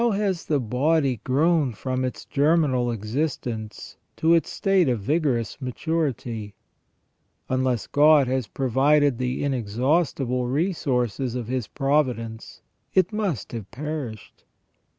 How has the body grown from its germinal existence to its state of vigorous maturity ? Unless God had provided the inexhaustible resources of His providence, it must have perished.